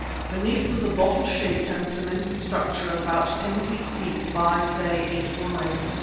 Beneath was a bottle shaped and cemented structure about ten feet deep by, say, eight wide.